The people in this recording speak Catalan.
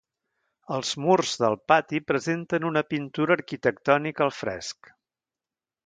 Els murs del pati presenten una pintura arquitectònica al fresc.